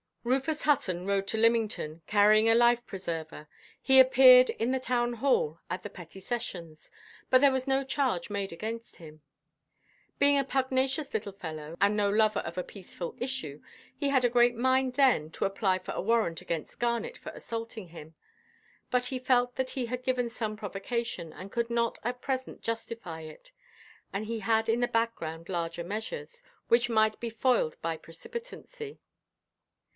Rufus Hutton rode to Lymington, carrying a life–preserver: he appeared in the Town Hall, at the petty sessions; but there was no charge made against him. Being a pugnacious little fellow, and no lover of a peaceful issue, he had a great mind then to apply for a warrant against Garnet for assaulting him. But he felt that he had given some provocation, and could not at present justify it; and he had in the background larger measures, which might be foiled by precipitancy.